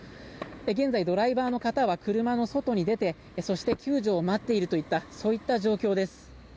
現在ドライバーの方は車の外に出て救助を待っているといった状況です。